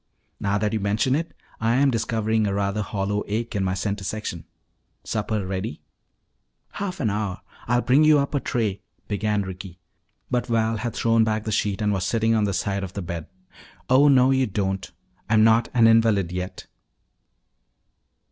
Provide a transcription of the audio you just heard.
"Now that you mention it, I am discovering a rather hollow ache in my center section. Supper ready?" "Half an hour. I'll bring you up a tray " began Ricky. But Val had thrown back the sheet and was sitting on the side of the bed. "Oh, no, you don't! I'm not an invalid yet."